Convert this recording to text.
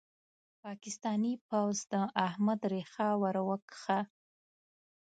پاکستاني پوځ د احمد ريښه ور وکښه.